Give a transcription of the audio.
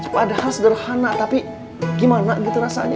padahal sederhana tapi gimana gitu rasanya